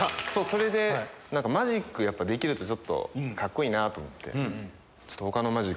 マジックできるとちょっとカッコいいなと思って。